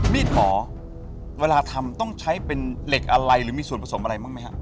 มีดหมอเวลาทำต้องใช้เป็นเหล็กอะไรหรือมีส่วนผสมอะไรบ้างไหมครับ